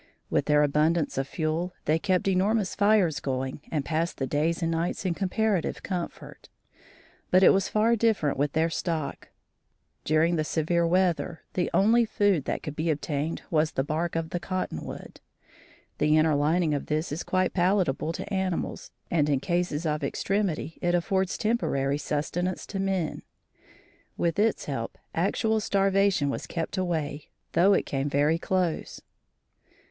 With their abundance of fuel, they kept enormous fires going and passed the days and nights in comparative comfort. But it was far different with their stock. During the severe weather, the only food that could be obtained was the bark of the cottonwood. The inner lining of this is quite palatable to animals and in cases of extremity it affords temporary sustenance to men. With its help actual starvation was kept away, though it came very close.